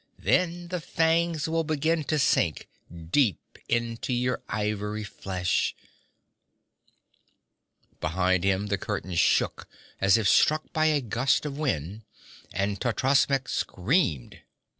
Then the fangs will begin to sink deep into your ivory flesh ' Behind him the curtain shook as if struck by a gust of wind, and Totrasmek screamed.